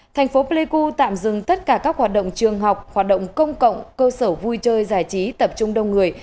thành phố pleiku tạm dừng tất cả các hoạt động trường học hoạt động công cộng cơ sở vui chơi giải trí tập trung đông người